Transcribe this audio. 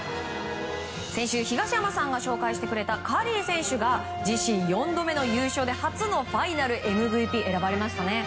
先週、東山さんが紹介してくれたカリー選手が自身４度目の優勝で初のファイナルＭＶＰ選ばれましたね。